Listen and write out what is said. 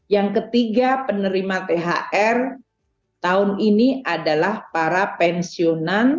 yang ketiga penerima thr tahun ini adalah para pensiunan